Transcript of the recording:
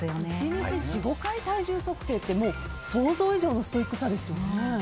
１日、４５回体重測定って想像以上のストイックさですよね。